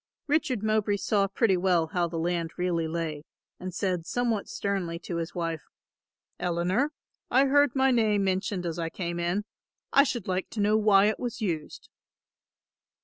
Richard Mowbray saw pretty well how the land really lay and said somewhat sternly to his wife, "Eleanor, I heard my name mentioned as I came in, I should like to know why it was used."